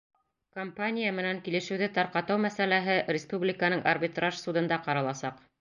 Компания менән килешеүҙе тарҡатыу мәсьәләһе республиканың Арбитраж судында ҡараласаҡ.